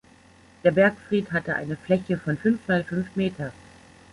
Der Bergfried hatte eine Fläche von fünf mal fünf Meter.